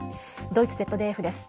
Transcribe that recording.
ドイツＺＤＦです。